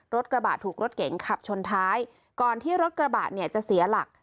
รถกระบะถูกรถเก๋งขับชนท้ายก่อนที่รถกระบะเนี่ยจะเสียหลัก